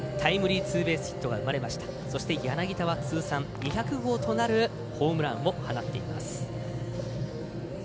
柳田は通算２００号となるホームランを放っています。